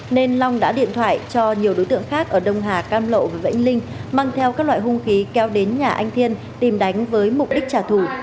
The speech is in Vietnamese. nên long đã điện thoại cho nhiều đối tượng khác ở đông hà cam lộ và vĩnh linh mang theo các loại hung khí kéo đến nhà anh thiên tìm đánh với mục đích trả thù